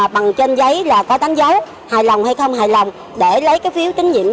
bằng trên giấy là có đánh dấu hài lòng hay không hài lòng để lấy cái phiếu đó để làm cơ sở